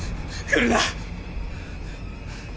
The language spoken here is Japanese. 来るな。